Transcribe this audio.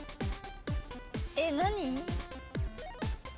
えっ何？